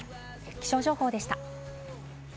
気象情報でした。